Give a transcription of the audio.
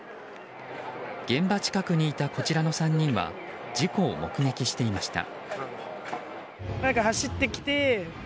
現場近くにいたこちらの３人は事故を目撃していました。